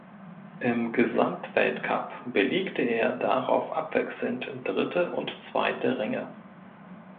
Im Gesamtweltcup belegte er darauf abwechselnd dritte und zweite Ränge.